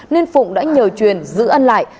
nên phụng đã nhờ truyền giữ ân lại